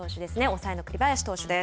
抑えの栗林投手です。